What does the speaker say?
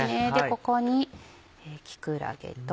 ここに木くらげと。